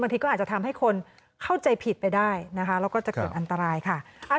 ทีก็อาจจะทำให้คนเข้าใจผิดไปได้นะคะแล้วก็จะเกิดอันตรายค่ะ